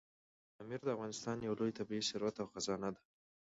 پامیر د افغانستان یو لوی طبعي ثروت او خزانه ده.